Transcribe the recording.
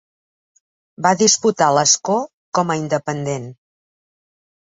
Va disputar l'escó com a independent.